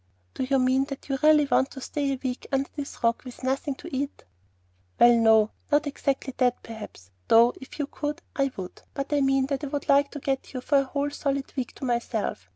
"Do you mean that you really want to stay a week under this rock with nothing to eat?" "Well, no; not exactly that perhaps, though if you could, I would. But I mean that I would like to get you for a whole solid week to myself.